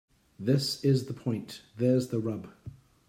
This is the point. There's the rub.